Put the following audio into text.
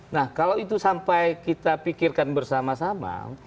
nah kalau itu sampai kita pikirkan bersama sama